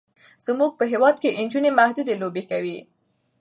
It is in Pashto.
زمونږ په هیواد کې نجونې محدودې لوبې کوي.